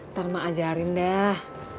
ntar mak ajarin dah